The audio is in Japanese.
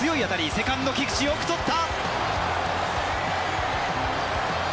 セカンド・菊池よく捕った！